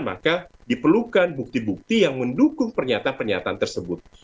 maka diperlukan bukti bukti yang mendukung pernyataan pernyataan tersebut